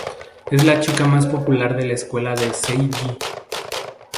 Es la chica más popular de la escuela de Seiji.